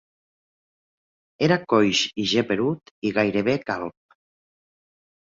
Era coix i geperut i gairebé calb.